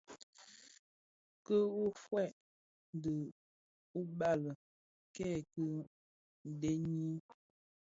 Ki ughèi di ubali kèki dheňi.